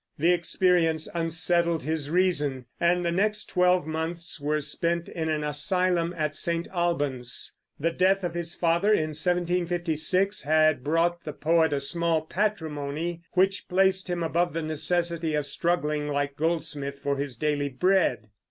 The experience unsettled his reason, and the next twelve months were spent in an asylum at St. Alban's. The death of his father, in 1756, had brought the poet a small patrimony, which placed him above the necessity of struggling, like Goldsmith, for his daily bread.